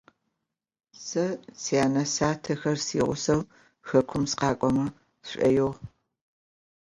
Se syane - syatexer siğuseu xekum sıkhak'o sş'oiğu.